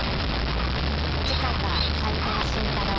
次回は斎藤慎太郎